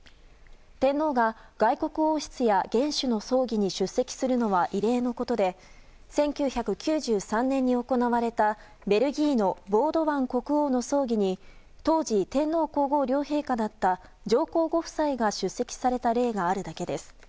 天皇が外国王室や元首の葬儀に出席するのは異例のことで１９９３年に行われたベルギーのボードワン国王の葬儀に当時、天皇・皇后両陛下だった上皇ご夫妻が出席された例があるだけです。